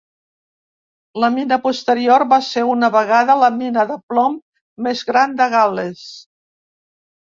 La mina posterior va ser una vegada la mina de plom més gran de Gal·les.